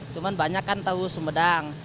cuma banyak kan tahu sumedang